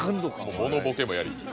モノボケもやり。